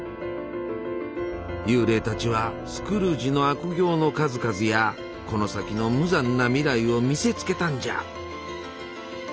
幽霊たちはスクルージの悪行の数々やこの先の無残な未来を見せつけたんじゃ。